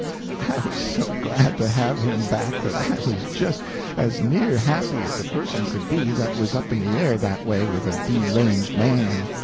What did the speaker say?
I was so glad to have him back that I was just as near happy as a person could be that was up in the air that way with a deranged man.